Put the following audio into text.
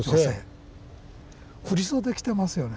振り袖着てますよね。